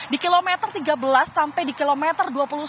di kilometer tiga belas sampai di kilometer dua puluh satu